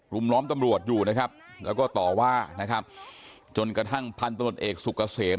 ล้อมตำรวจอยู่นะครับแล้วก็ต่อว่านะครับจนกระทั่งพันตำรวจเอกสุกเกษม